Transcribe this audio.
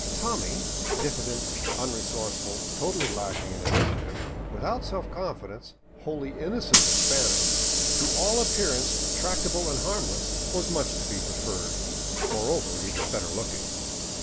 Tommy, diffident, unresourceful, totally lacking in initiative, without self confidence, wholly innocent of Spanish, to all appearance tractable and harmless, was much to be 521 VAGABONDING DOWN THE ANDES preferred. Moreover, he was better looking.